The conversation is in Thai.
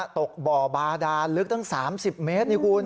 ตกบ่อบาดานลึกตั้ง๓๐เมตรนี่คุณ